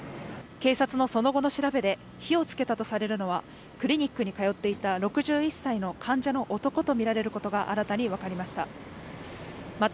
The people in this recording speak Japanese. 警察のその後の調べで火をつけたとされるのはクリニックにかよっていた６１歳の患者の男と見られることが新たに分かりました